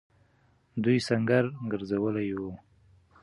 دوی سنګر گرځولی وو.